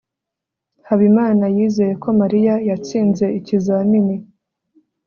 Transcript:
habimana yizeye ko mariya yatsinze ikizamini